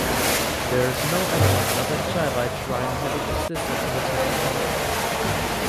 There is no evidence of any Shaivite shrine having existed in the temple complex.